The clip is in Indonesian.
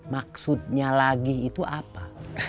maksudnya lagi itu apa